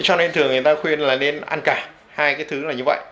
cho nên thường người ta khuyên là nên ăn cả hai cái thứ là như vậy